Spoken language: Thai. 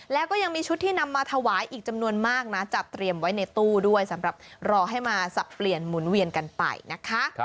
แล้วก็ยังมีชุดที่นำมาถวายอีกจำนวนมากนะจัดเตรียมไว้ในตู้ด้วยสำหรับรอให้มาสับเปลี่ยนหมุนเวียนกันไปนะคะ